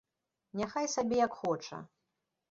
Няхай сабе як хоча.